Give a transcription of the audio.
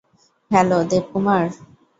Hello, Debkumar?